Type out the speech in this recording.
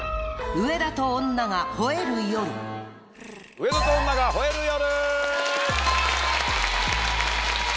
『上田と女が吠える夜』！